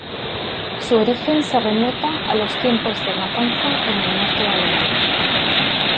Su origen se remonta a los tiempos de matanza en el norte de Alemania.